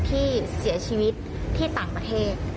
ที่เสียชีวิตที่ต่างประเทศ